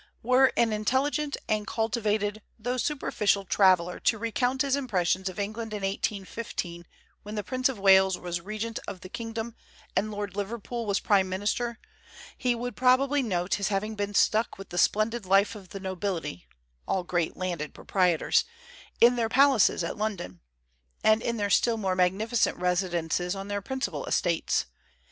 Where an intelligent and cultivated though superficial traveller to recount his impressions of England in 1815, when the Prince of Wales was regent of the kingdom and Lord Liverpool was prime minister, he probably would note his having been struck with the splendid life of the nobility (all great landed proprietors) in their palaces at London, and in their still more magnificent residences on their principal estates.